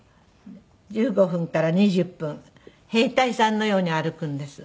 １５分から２０分兵隊さんのように歩くんです。